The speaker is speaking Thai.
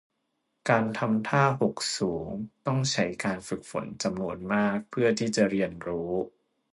การทำท่าหกสูงต้องใช้การฝึกฝนจำนวนมากเพื่อที่จะเรียนรู้